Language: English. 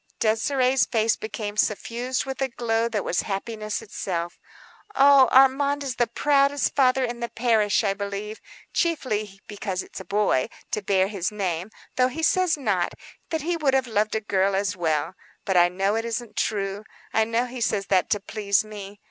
Désirée's face became suffused with a glow that was happiness itself. "Oh, Armand is the proudest father in the parish, I believe, chiefly because it is a boy, to bear his name; though he says not,—that he would have loved a girl as well. But I know it isn't true. I know he says that to please me.